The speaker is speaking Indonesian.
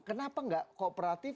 kenapa enggak kooperatif